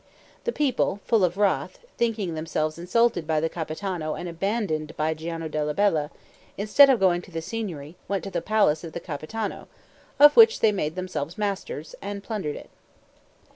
The people, full of wrath, thinking themselves insulted by the Capitano and abandoned by Giano della Bella, instead of going to the Signory went to the palace of the Capitano, of which they made themselves masters, and plundered it.